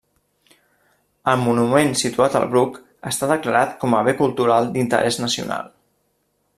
El monument situat al Bruc està declarat com a Bé Cultural d'Interès Nacional.